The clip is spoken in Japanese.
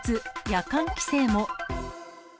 夜間規制も。